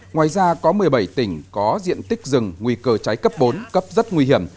ngoài ra có một mươi bảy tỉnh có diện tích rừng nguy cơ cháy cấp bốn cấp rất nguy hiểm